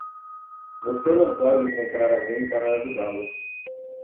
Você não pode encontrar alguém para ajudá-lo.